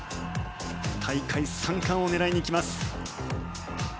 大会３冠を狙いに行きます。